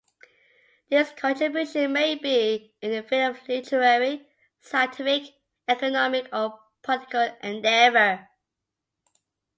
This contribution may be in the field of literary, scientific, economic or political endeavour.